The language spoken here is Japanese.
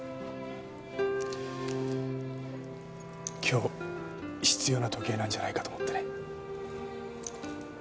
今日必要な時計なんじゃないかと思ってね。